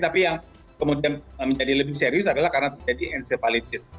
tapi yang kemudian menjadi lebih serius adalah karena terjadi encepalitis